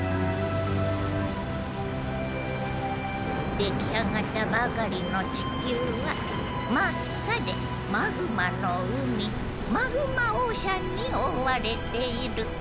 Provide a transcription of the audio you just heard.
出来上がったばかりの地球は真っ赤でマグマの海マグマオ−シャンにおおわれている。